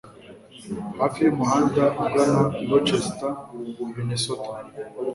Hafi yumuhanda ugana Rochester Minnesota